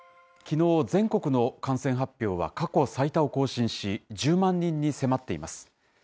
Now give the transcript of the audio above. きのう、全国の感染発表は過去最多を更新し、１０万人に迫っています。